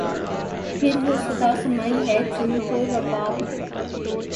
گر وہ صدا سمائی ہے چنگ و رباب میں